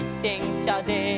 しゃで」